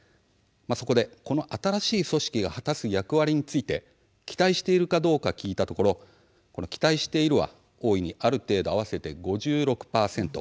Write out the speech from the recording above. そこで、この新しい組織が果たす役割について期待しているかどうか聞いたところ期待しているは大いに、ある程度合わせて５６％。